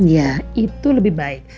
ya itu lebih baik